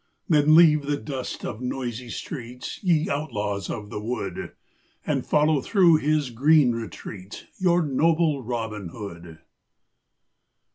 Then leave the dust of noisy streets, Ye outlaws of the wood, And follow through his green retreats Your noble Robin Hood.